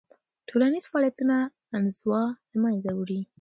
ټولنیز فعالیتونه انزوا له منځه وړي.